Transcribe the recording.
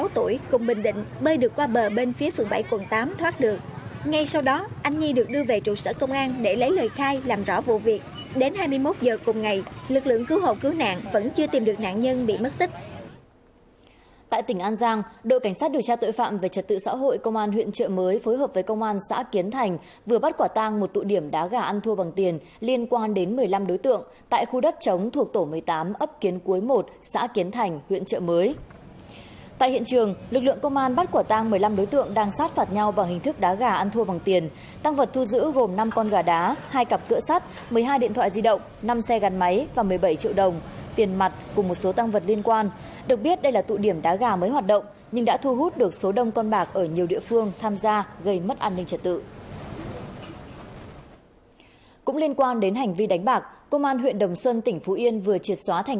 tụ điểm đánh bạc công an huyện đồng xuân tỉnh phú yên vừa triệt xóa thành công tụ điểm đánh bạc trên địa bàn xã xuân quang một huyện đồng xuân